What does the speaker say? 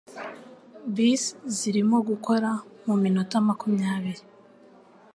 Bus zirimo gukora muminota makumya biri.